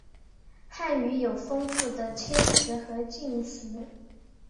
汉语有丰富的谦辞和敬辞。